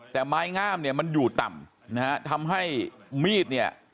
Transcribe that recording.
แต่ไม้งามเนี่ยมันอยู่ต่ำนะฮะทำให้มีดเนี่ย